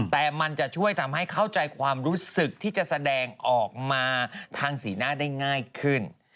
แต่มันจะช่วยทำให้เข้าใจความรู้สึกที่จะแสดงออกมาทางสีหน้าได้ง่ายขึ้น